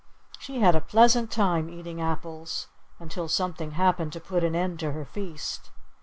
She had a pleasant time eating apples until something happened to put an end to her feast.